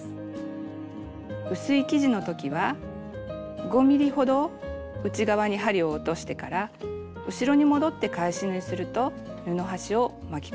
薄い生地のときは５ｍｍほど内側に針を落としてから後ろに戻って返し縫いすると布端を巻き込みにくくなります。